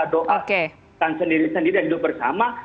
doakan sendiri sendiri dan hidup bersama